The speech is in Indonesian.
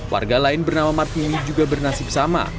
warga lain bernama martini juga bernasib sama